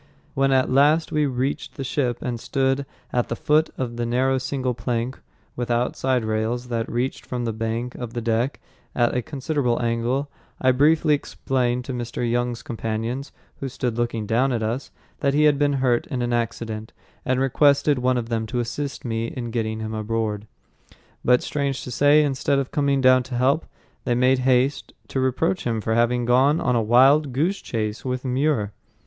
When at last we reached the ship and stood at the foot of the narrow single plank without side rails that reached from the bank to the deck at a considerable angle, I briefly explained to Mr. Young's companions, who stood looking down at us, that he had been hurt in an accident, and requested one of them to assist me in getting him aboard. But strange to say, instead of coming down to help, they made haste to reproach him for having gone on a "wild goose chase" with Muir.